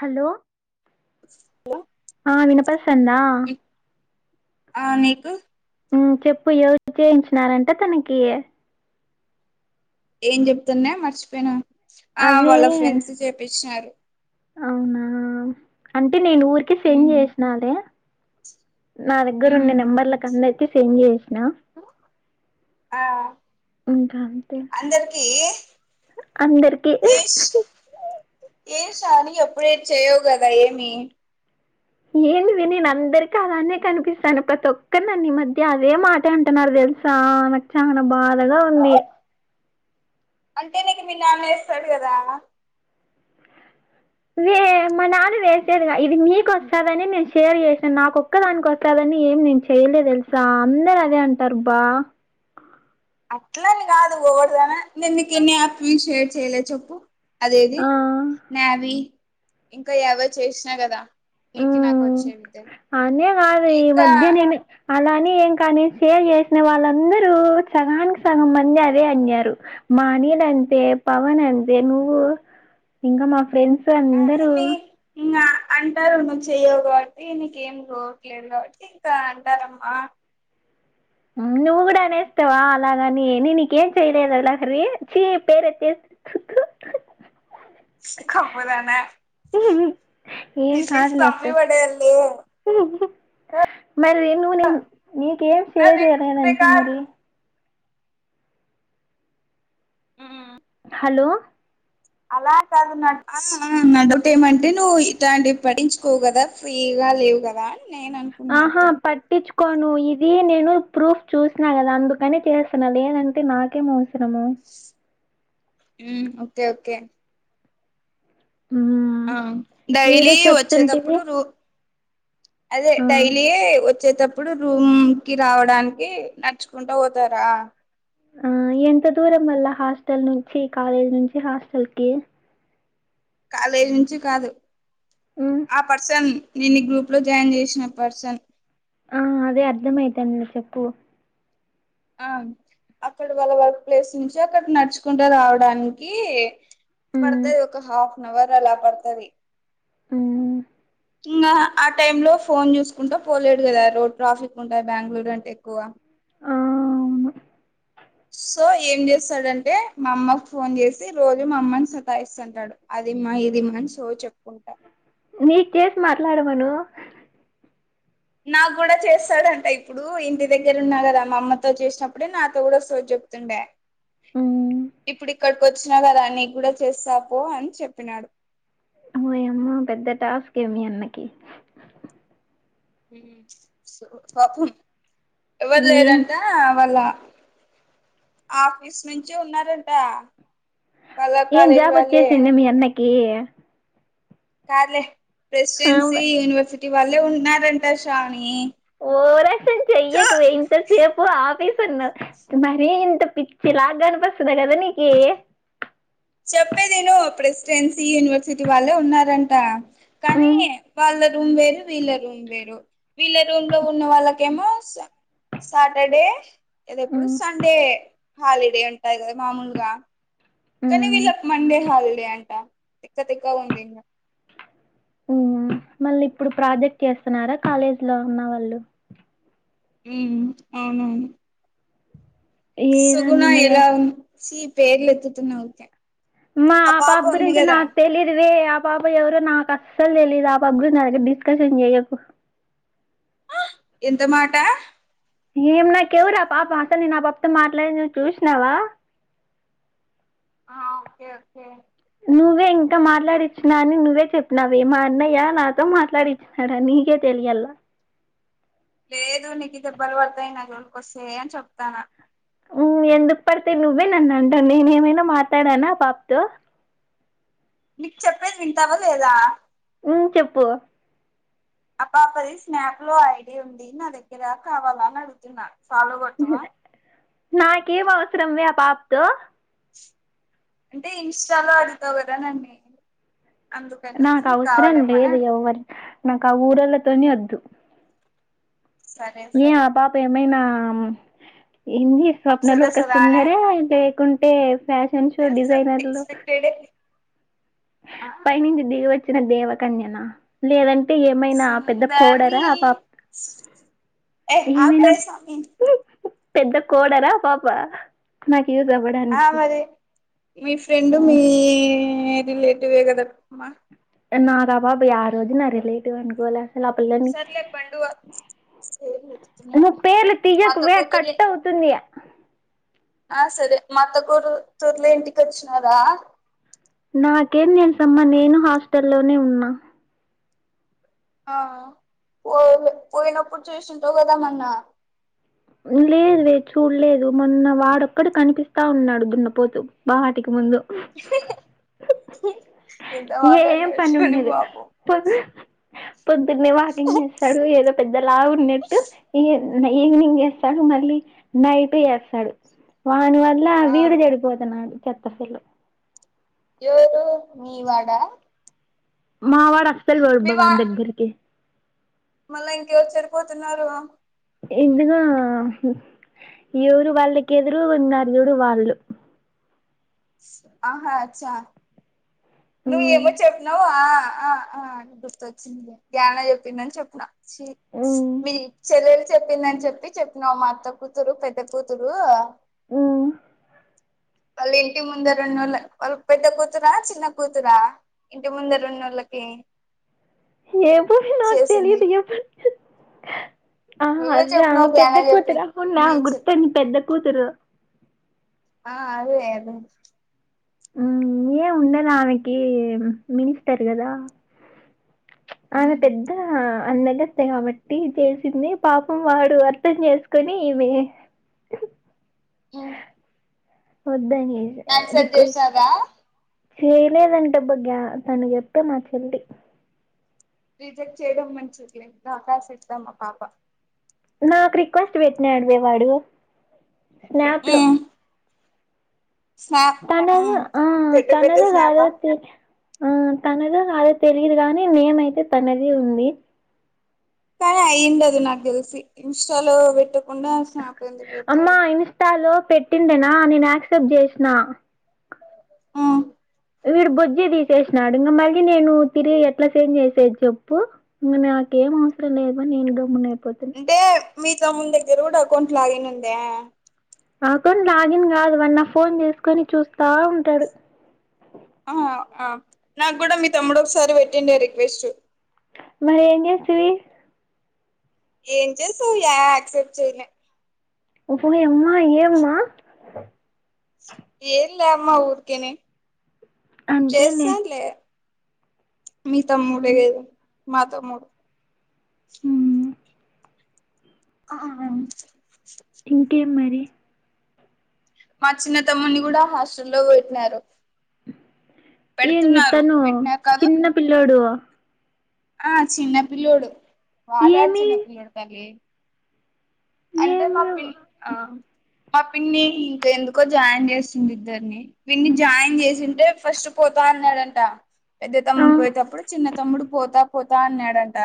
hello hello ఆ వినపస్తందా ఆ నీకు ఉమ్ చెప్పు ఎవరు చేయించినారంటే తనకి ఏం చెప్తున్నా మర్చిపోయినా ఆ అదే వాళ్ళ ఫ్రెండ్స్ చేపించినారు అవునా అంటే నేను ఊరికే సెండ్ ఉమ్ చేసినాలే నా దగ్గర ఉండే ఉమ్ నెంబర్లలకు అందరికి సెండ్ చేసినా ఆ ఇంకా అంతే అందరికి అందరికి ఏష్ ఏషాని ఎప్పుడే చేయవు కదా ఏమి ఏంటిది నేను అందరికి కదానే కనిపిస్తాను ప్రతి ఒక్కరు నన్ను మధ్య అదే మాట అంటున్నారు తెలు సా నాకు చాలా బాధగా ఉంది అంటే నీకు మీ నాన్న వేస్తాడు కదా వే మా నాన్న వేసేదిగా ఇది మీకు వస్తదని నేను షేర్ చేసాను నాకు ఒక్క దానికి వస్తే అదన్నీ ఏమి నేను చెయ్యలే తెలుసా అందరు అదే అంటారు అబ అట్లని కాదు ఎవరుదన నేను నీకు ఎన్ని ఆపి షేర్ చెయ్యలే చెప్పు అదేది ఆ, నావీ ఇంకా ఎవో చేసినా కదా నీకి నాకు ఉమ్, వచ్చి అనే కాదు ఈ మధ్య నేను అలానే ఏం కానీ షేర్ చేసిన వాళ్ళందరూ సగానికి సగం మంది అదే అన్యరూ మా అనిల్ అంతే పవన్ అంతే నువ్వు ఇంకా మా ఫ్రెండ్స్ అందరూ నీ అంటారు నువ్వు చెయ్యవు కాబట్టి నీకేం లేదు కాబట్టి అంటారమ్మ నువ్వు కూడా అనేస్తావా అలాగని నేను నీకేం చేయలేదా లహరి చి పేరు ఎత్తే హ్ కావాలనా ఏం నిన్ను కాదు చంపి లేపోతే పడేయాన్లే మరి నువ్ నేను నీకేం నాది చేయలేదునంటివి రికార్డ్ మరి హలో అలా కాదు నటుట ఏమంటే నువ్వు ఇట్లాంటివి పడించుకోవు కదా ఫ్రీగా లేవుకదా నేను అనుకున్నా ఆహా అంతే పట్ పట్టించుకోను ఇది నేను ప్రూఫ్ చూసినా కదా అందుకనే చేస్తున లేదంటే నాకేం అవసరము ఓకే ఓకే ఉమ్ ఆ డైలీ వచ్చేటప్పుడు రూ అదే ఆ డైలీ వ వచ్చేటప్పుడు రూమ్కి రావడానికి నడుచుకుంటా పోతారా ఆ ఎంత దూరంమల్ల హాస్టల్ నుంచి కాలేజ్ నుంచి హాస్టల్ కి కాలేజ్ నుంచి కాదు మ్మ్ ఆ పర్సన్ నీన్ను ఈ గ్రూప్లో జాయిన్ చేసిన పర్సన్ ఆ అదే అర్ధమవుతాందీ చెప్పు ఆ అక్కడ వాళ్ళ వర్క్ ప్లేస్ నుంచి అక్కడ నడుచుకుంట రావడానికి మ్మ్ పడతది ఒక హాఫ్ అన్ అవర్ అలా పడతది ఉ ఇంకా ఆ టైమ్లో ఫోన్ చూసుకుంటా పోలేడు కదా రోడ్ ట్రాఫిక్ ఉంటాయి బెంగళూరు అంటే ఎక్కువ ఆ అవును సో ఏం చేస్తాడంటే మా అమ్మకు ఫోన్ చేసి రోజు మా అమ్మని సతాయిస్తుంటాడు అదిమ్మా ఇదిమ్మా అని సోది చెప్పుకుంటా నీకు చేసి మాట్లాడమను నాకు కూడా చేస్తాడంట ఇప్పుడు ఇంటి దగ్గర ఉన్నా కదా మా అమ్మతో చేసినప్పుడే నాతో కూడా సో డే ఉమ్ ఇప్పుడు ఇక్కడికి వచ్చినా కదా నీ కూడా చేస్తా పో అని చెప్పినాడు వోయమ ఆ పెద్ద టాస్కే మీ అన్నకి పాపం ఎవరు మేం లేరంటే వాళ్ళ ఆఫీస్ నుంచి ఉన్నారంట వాళ్ళ ఏం కాలేజీ జాబ్ వాళ్ళే వచ్చేసిందా మీ అన్నకి కాదులే ఆ ప్రెసిడెన్సీ యూనివర్సిటీ వాళ్లే ఉన్నారంటా శ్రావణి ఓవర్ యాక్షన్ చెయ్యకు ఇంతసేపు ఆఫీసన్నావు మరి ఇంత పిచ్చిలాగ కనిపిస్తుంనా కదా నీకి చెప్పేదిను ప్రెసిడెన్సీ యూనివర్సిటీ వాళ్ళే ఉన్నారంట కానీ ఉమ్ వాళ్ళ రూమ్ వేరు వీళ్ళ రూమ్ వేరు వీళ్ళ రూమ్లో ఉన్న వాళ్ళకి ఏమో సాటర్డే అద ఎప్పుడు ఉమ్ సండే హాలిడే ఉంటాయి కదా మామూలుగా కానీ ఉమ్ వీళ్ళకి మండే హాలిడే అంట తిక్క తిక్కగా ఉందింగ ఉ మళ్ళీ ఇప్పుడు ప్రాజెక్ట్ చేస్తున్నారా కాలేజ్లో ఉన్న వాళ్ళు ఉ అవునవును ఏ దాని సగుణ మీద ఎలా చేస్ సీ పేర్ల ఎత్తున్నా ఉకే మా ఆ పాప గురించి నాకు తెలిదువే ఆ పాప ఎవరు నాకు అస్సలు తెలీయదు ఆపాప గురించి నా దగ్గర డిస్కషన్ చెయ్యకు ఆ ఎంత మాట ఏం నాకెవరు ఆ పాప అసలు నేను ఆ పాపతో మాట్లాడినది నువ్వు చూసినావా ఆ ఓకే ఓకే నువ్వే ఇంకా మాట్లాడిచ్చిన అని నువ్వే చెప్పినావే మా అన్నయ్య నాతో మాట్లాడిచ్చినాడా నీకే తెలియలా లేదు నీకు దెబ్బలు పడతాయి నా జోళకి వస్తే అని చెప్తాన ఉం ఎందుకు పడితే నువ్వే నన్ను అంటా నేను ఏమైనా మాట్లాడానా ఆ పాపతో మీకు చెప్పేది వింటావా లేదా ఉం చెప్పు ఆ పాపది స్నాప్ లో ఐడి ఉంది నా దగ్గర కావాలా అని అడుగుతున్నా ఫాలో కొడతవా నాకేం అవసరంవే ఆ పాపతో అంటే ఇంస్టాలో అడుగుతావు కదా నన్ని [unintelligible] అందుకనేసి నాకు నీకు అవసరం కావాలేమో అని లేదు అడుగుతున్నా ఎవరు నాకు ఆ ఊరళతోని వద్దు సరే ఏ సరే ఆ పాప ఏమైనా ఇంది అప్సరా స్వప్నలోక సలానా సుందరే లేక కుంటే ఫ్యాషన్ షో తెలుసా డిజైనర్లు ఎక్స్పెక్టెడ్ ఆ పైనుంచి దిగి వచ్చిన దేవకన్యన లేదంటే ఏమైనా పెద్ద సుందరి కోడలా ఆ పాప ఏ ఆ ఏమైనా పే సామి పెద్ద కోడలా ఆ పాప నాకు యూస్ ఆ మరి మీ ఫ్రెండు మీ రిలేటివే కదామ్మా నా [unintelligible] రాాబాబు ఆ రోజు నా రిలేటివ్ అనుకోలే ఆ పిల్లని సర్లే పండువా పేర్లు ఎత్తుతూనే అమా ఉన్నా పేర్లు మా అత్త తీయకువే కూతుర్ని కట్టవు తుంది ఆ సరే మాత్తగూరు తూర్లో ఇంటికి వచ్చినారా నాకేం తెలుసమ్మా నేను హాస్టల్లోనే ఉన్నా ఆ పో పోయినప్పుడు చేసుంటావు కదా మన్న లేదు లేదు చూడలేదు మొన్న వాడొక్కడ కనిపిస్తా ఉన్నాడు దున్నపోతు బాటికి ముందు ఎంతా ఏం మాటన్నాడు పని చూడు ఉండదు పాపం [unintelligible] పొద్దు పొద్దున్నే వాకింగ్ చే ఆడు ఏదో పెద్ద లావు ఉన్నట్టు ఈ ఈవినింగ్ చేస్తాడు మళ్ళీ నైట్ చేత్తడు వాని వల్ల ఆ వీడు చెడిపోతున్నాడు చెత్త ఫెలో ఎవరు మీవాడా మావాడు అస్సలు పోడబ్బ మీ వా పాన్ దగ్గరికి మళ్ళా ఇంకెవరు చెడిపోతున్నారు ఎందుగా ఎవరు వాళ్ళకి ఎదురుగా ఉన్నారు చూడు వాళ్ళు ఆహా అచ్చా నువ్వు ఏమో చెప్పినవవు ఆ ఆ ఆ గుర్తొచ్చింది ధ్యాన చెప్పిందని చెప్పిన మీ చెల్లెలు చెప్పిందని చెప్పి చెప్పినావు మా అత్త కూతురు పెద్ద కూతురు ఉం వాళ్ళు ఇంటి ముందరున్నా వాళ్ళ వాళ్ళు పెద్ద కూతుర చిన్న కూతురా ఇంటి ముందర ఉన్నళ్లకి ఏమో నాకు తెలియదు ఆ నువ్వే అదా చెప్పినవ్ గ్యాన పెద్ద కూతురు చెప్పింది అవున్నా మీ చె గుర్తుండి పెద్ద కూతురు ఆ అదే అదే ఉం ఏమి ఉండదు ఆమెకి మినిస్టర్ కదా ఆమె పెద అ అందగతే కాబట్టి చేసింది పాపం వాడు అర్థం చేసుకొని ఇమే వద్దాని చేసిన యాక్సెప్ట్ రిక్వెస్ట్ చేసారా చేయలేదంటెబ్ గ్యా తను చెప్తే మా చెల్లి రిజెక్ట్ చేయడం మంచిదిలే వకాశ ఇస్తాం మా పాప నాకు రిక్వెస్ట్ పెట్టినాడువేవాడు స్నాప్ లో స్నాప్ తనదో ఆ పెట్టు పెట్టు తనదో కాదో స్నాపా చూస్ ఆ తనదో కాదో తెలియదు గాని నేమయితే తనది ఉంది సరే అయ్యుండదు నాకు తెలిసి ఇన్స్టాలో పెట్టకుండా స్నాప్ ఎందుకు పెడతారు ఇన్స్టాలో పెట్టిందినా నేను యాక్సెప్ట్ చేసిన ఆ వీడు బుజ్జి తీసేసినాడు ఇంకా మళ్ళీ నేను తిరిగి ఎట్లా చేంజ్ చేసేది చెప్పు ఇంక నాకేం అవసరం లేదు నేను గమ్మున అయిపోతి అంటే మీ తమ్ముడు దగ్గర కూడా అకౌంట్ లాగిన్ ఉందా అకౌంట్ లాగిన్ కాదు వాడు నా ఫోన్ తీసుకొని చూస్తా ఉంటాడు ఆ నాకు కూడా మీ తమ్ముడు ఒకసారి పెట్టుండె రిక్వెస్ట్ మరి ఏం చేస్తివి ఏం చేసావ్ యా యాక్సెప్ట్ చేయలే ఒప్పుయమ్మా ఏమ్మా ఏం లే అమ్మ ఊరికినే అంతేలే చేస్తానులే మీ తమ్ముడే కద మా తమ్ముడు ఉమ్, ఆఆ ఇంకేం మరి మా చిన్నతమ్ముడ్ని కూడా హాస్టల్లో పెట్టినారు ఏంది పెడుతున్నారు తను పెట్టిన కాదు చిన్న పిల్లోడు ఆ చిన్నపిల్లోడు బాగా ఏమి చిన్నపిల్లోడు తల్లి అంటే మా ఏమి పిన్ని ఆ మా పిన్ని ఇంకెందుకో జాయిన్ చేస్తుంది ఇద్దరిని పిన్ని జాయిన్ చేసింటే ఫస్ట్ పోతాన్నాడంట పెద్ద ఆ, తమ్ముడు పోయేటప్పుడు చిన్న తమ్ముడు పోతా పోతా అన్నాడంట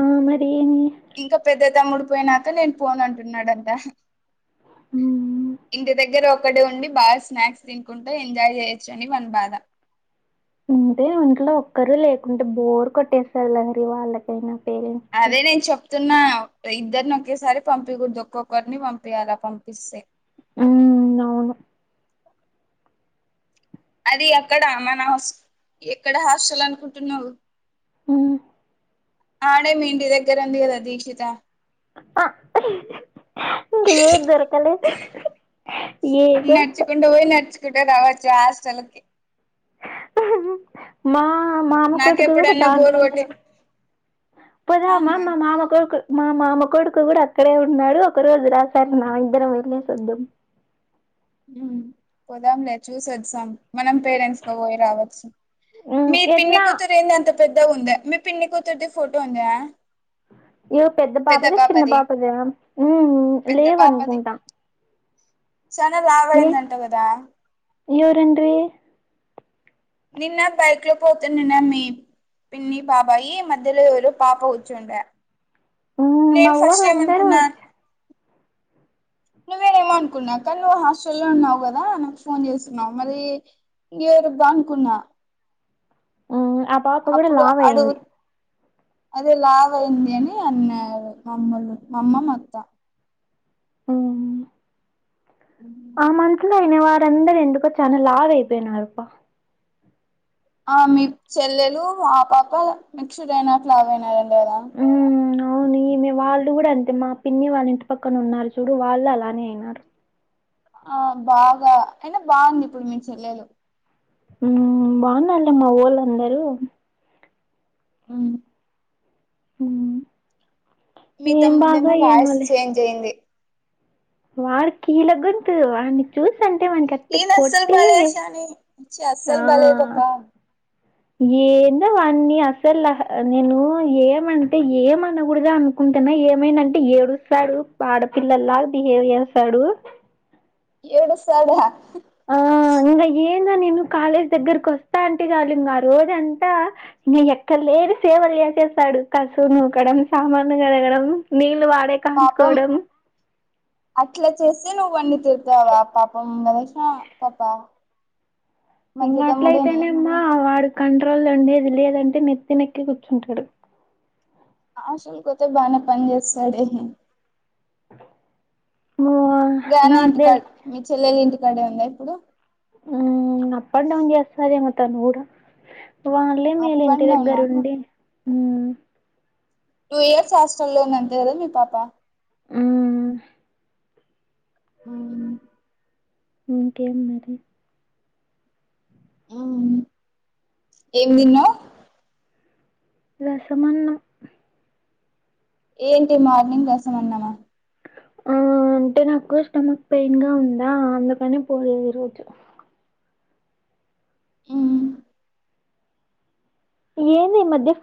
ఆ మరి ఏమి ఇంకా పెద్ద తమ్ముడు పోయినాక నేను పోను అంటున్నాడంట ఉమ్, ఇంటి దగ్గర ఒక ఒకటే ఉండి బాగా స్నాక్స్ తినుకుంటే ఎంజాయ్ చేయొచ్చు అని వాని బాధ అంటే ఒంట్లో ఒక్కరు లేకుంటే బోర్ కొట్టేస్టాదిలెండి వాళ్ళకైనా పేరెంట్స్కి అదే నేను చెప్ చెప్తున్నా ఇద్దరిని ఒకేసారి పంపీకూడదు ఒక్కొక్కరిని పంపీయాల పంపిస్తే ఆ అది అక్కడ మన హౌస్ ఎక్కడ హాస్టల్ అనుకుంటున్నావు మ్ ఆడే మీ ఇంటి దగ్గర ఉంది కదా దీక్షిత ఆ ఇంకా ఏది దొరకలేద ఏందో కుంట పోయి నచుకుంటే రావచ్చు హాస్టల్కి మా మామకొడుకు కూడా నాకెప్పుడన్నా బోరు దాంట్లోనే కొట్టి పోదామ అవునా మా మామకొడుకు మా మామ కొడుకు కూడా అక్కడే ఉన్నాడు ఒక రోజు రాశారు నా ఇద్దరం వెళ్ళసోద్దాం ఉమ్ పోదాంలే చూసొద్దాం మనం పేరెంట్స్ క పోయి రావచ్చు ఉమ్ మీ పిన్ని ఎట్లా కూతురు ఏంది అంత పెద్ద ఉందా మీ పిన్ని కూతురిది ఫోటో ఉంద ఇగో పెద్ద పాపది చిన్న పాపదా ఉమ్ పెద్ద లేవనుకుంట చాలా లాబయిందంట కదా ఇగేవరండ్రీ నిన్న బైక్లో పోతున్నమీ పిన్నీ బాబాయి మధ్యలోరు పాప కూచ్చుండే మ్మ్ మా నేను వోళ్ళందరూ ఫాస్టమనుకున్నా నువ్వేనేమో అనుకున్న కానీ నువ్వు హాస్టల్లో ఉన్నావు కదా నాకు ఫోన్ చేసున్నవు మరి గేరు బా అనుకున్నా ఆ ఆ పాప కూడా అప్పుడు అడుగు లావయింది అదే లావయింది అని అన్నారు మామ్మలు మా అమ్మ అత్తా ఉమ్ ఉమ్ ఆ మంత్లో అయిన వారందరుూ ఎందుకో చాలా లావయిపోయినారుప్ప ఆ మీ చెల్లెలు ఆ పాప మీకుచుడ అయిన అటవయినారండి కదా ఉమ్ అవునీ ఈమెవాళ్ళు కూడా అంతే మా పిన్ని వాళ్ళ ఇంటి పక్కన ఉన్నారు చూడు వాళ్ళు అలానే అయినారు ఆ బాగా అయినా బాగుంది ఇప్పుడు మీ చెల్లెలు ఉమ్ బాగున్నారూల్ మావోళ్ళందరూ ఉమ్ ఉమ్ ఏం బాగో ఏమోలే జయంది వాడి కీల్ంతు వాడిని చూస అంటే మనకి అట్టే ఈనస్సలు కొట్టి బాలేశానిచ్చ అస్సలు బలే పప ఇన్నోవాని అసలు నేను ఏమంట టె ఏమనకూడద అనుకుంటున్నా ఏమైంద అంటే ఏడుస్తాడు ఆడపిల్లల్లా బిహేవ్ చేస్తాడు ఎడుస్తడ ఆ ఇంకా ఏందో నేను కాలేజ్ దగ్గరకి వస్తా అంటే చాల ఇంకా ఆ రోజంతా ఇంగ ఎక్కడ లేని సేవలు చేసేస్తాడు కసుపు నూకడం సామాన్లు కదగడం నీళ్లు వాడే పాపం కాంచుకోవడం అట్ల చేసే నువ్వు వన్నీ శూషవా పాప ము కదేశం పాపా ఇంకాట్లయితేనేమ్మ వాడు కంట్రోల్ ఉండేది లేదంటే నెత్తి నెక్కి కూర్చుంటడు హాస్టల్కోతే బానే పని చేస్తడే మా గానీ ఇంటికాడ మీ చెల్లెలు ఇంటికాడే ఉందా ఇప్పుడు ఉమ్ అప్ అండ్ డౌన్ చేస్తది తను గూర వాళ్లే అప్ మిలింటి అండ్ డౌనా దగ్గరుండి టూ ఇయర్స్ హాస్టల్లో ఉంది కదా మీ పాప ఉమ్ ఉమ్ ఇంకేంది మరి ఆ ఏం తిన్నవ్ రసమన్న ఏంటి మార్నింగ్ గోసం ఉన్నమా ఆ అంటే నాకు స్టమక్ పెయిన్ గా ఉందా అందుకనే పోలేేదు ఈ రోజు ఉమ్ ఏంది ఈ మధ్య